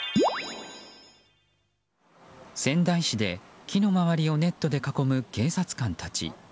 仙台市で木の周りをネットで囲む警察官たち。